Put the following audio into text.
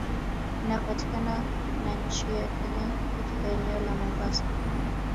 Inapatakana na nchi ya kenya katika eneo la mombasa